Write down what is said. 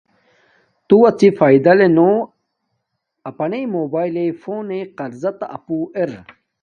تو اڅی فاݵد لے نو اپنݵ موبایل فون نݵ قرضہ تا اپو ار